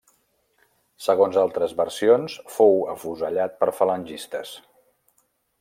Segons altres versions fou afusellat per falangistes.